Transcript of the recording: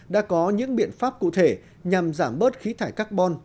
đã có những biện pháp cụ thể nhằm giảm bớt khí thải carbon